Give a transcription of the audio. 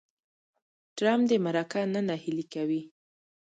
ټرمپ دې مرکه نه نهیلې کوي.